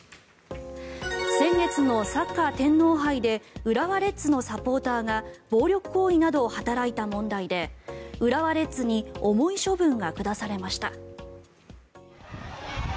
先月のサッカー天皇杯で浦和レッズのサポーターが暴力行為などを働いた問題で浦和レッズに重い処分が下されました。